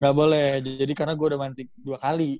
gak boleh jadi karena gua udah main dua kali